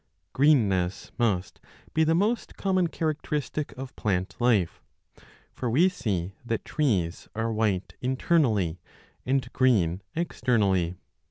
GREENNESS must be the most common characteristic of 8 plant life ; for we sec that trees are white internally and 20 green externally.